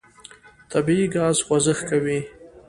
طبیعي ګاز خوځښت کوي.